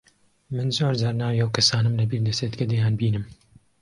من زۆر جار ناوی ئەو کەسانەم لەبیر دەچێت کە دەیانبینم.